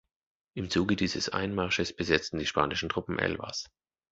Im Zuge dieses Einmarsches besetzten die spanischen Truppen Elvas.